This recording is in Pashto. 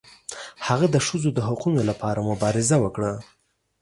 هغه د ښځو د حقونو لپاره مبارزه وکړه.